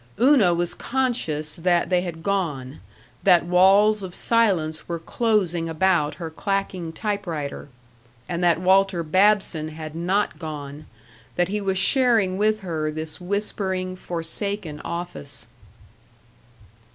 Una was conscious that they had gone, that walls of silence were closing about her clacking typewriter. And that Walter Babson had not gone; that he was sharing with her this whispering forsaken office.